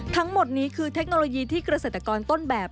ทั้งหมดนี้คือเทคโนโลยีที่เกษตรกรต้นแบบ